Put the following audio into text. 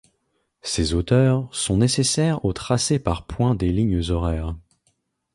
Ces hauteurs sont nécessaires au tracé par points des lignes horaires.